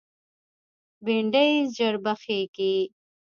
بېنډۍ ژر پخېږي